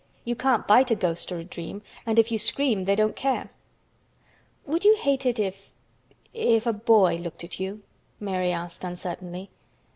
"You can't bite a ghost or a dream, and if you scream they don't care." "Would you hate it if—if a boy looked at you?" Mary asked uncertainly.